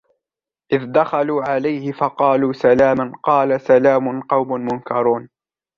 إِذْ دَخَلُوا عَلَيْهِ فَقَالُوا سَلَامًا قَالَ سَلَامٌ قَوْمٌ مُنْكَرُونَ